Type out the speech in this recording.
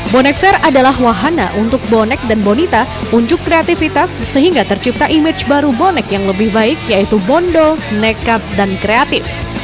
bonek fair adalah wahana untuk bonek dan bonita unjuk kreativitas sehingga tercipta image baru bonek yang lebih baik yaitu bondo nekat dan kreatif